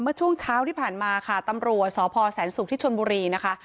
เมื่อช่วงเช้าที่ผ่านมาค่ะตำรวจสพแสนศุกร์ที่ชนบุรีนะคะ